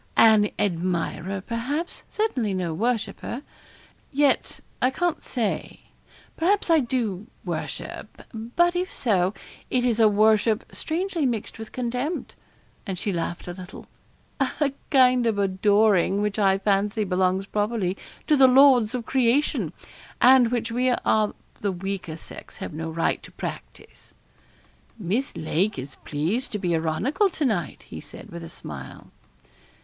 'An admirer, perhaps certainly no worshipper. Yet, I can't say. Perhaps I do worship; but if so, it is a worship strangely mixed with contempt.' And she laughed a little. 'A kind of adoring which I fancy belongs properly to the lords of creation, and which we of the weaker sex have no right to practise.' 'Miss Lake is pleased to be ironical to night,' he said, with a smile.